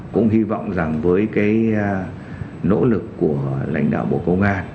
cũng hy vọng rằng với cái nỗ lực của lãnh đạo bộ công an